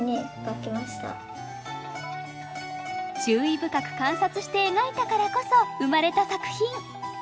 注意深く観察して描いたからこそ生まれた作品。